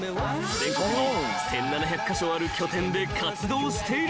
［全国に１，７００カ所ある拠点で活動している］